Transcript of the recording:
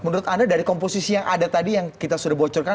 menurut anda dari komposisi yang ada tadi yang kita sudah bocorkan